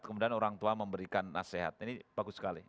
kemudian orang tua memberikan nasihat ini bagus sekali